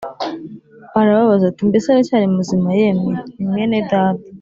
Arababaza ati “Mbese aracyari muzima? Yemwe, ni mwene data!”